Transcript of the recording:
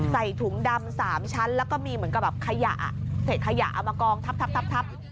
ใส่ถุงดำสามชั้นแล้วก็มีเหมือนกับแบบขยะเสร็จขยะเอามากองทับทับทับ